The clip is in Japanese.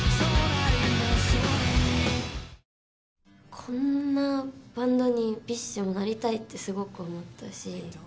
こんなバンドにＢｉＳＨもなりたいってすごく思ったし。